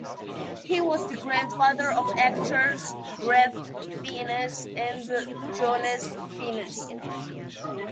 He was the grandfather of actors Ralph Fiennes and Joseph Fiennes.